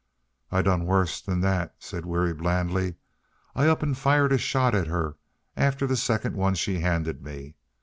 "I done worse than that," said Weary, blandly. "I up and fired a shot at her, after the second one she handed me.